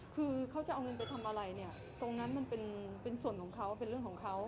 คือเขาจะเอาเงินไปทำอะไรเนี่ยตรงนั้นมันเป็นส่วนของเขาเป็นเรื่องของเขา